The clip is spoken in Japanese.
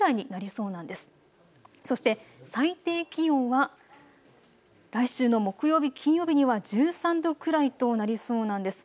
そして最低気温は来週の木曜日、金曜日には１３度くらいとなりそうなんです。